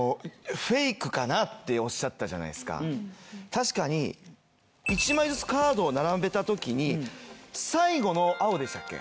確かに１枚ずつカードを並べたときに最後の青でしたっけ？